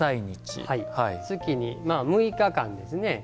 月に６日間ですね。